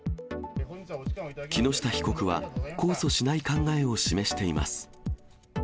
木下被告は、控訴しない考えを示しています。